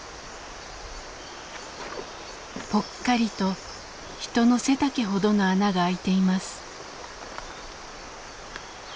ぽっかりと人の背丈ほどの穴が開いています。